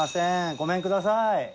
ごめんください。